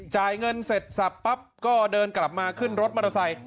จ่ายเงินเสร็จสับปั๊บก็เดินกลับมาขึ้นรถมอเตอร์ไซค